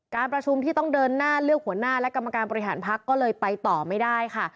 การประชุมที่ต้องเดินหน้าเลือกหัวหน้าและกรรมการบริหารพักก็เลยไปต่อไม่ได้ค่ะ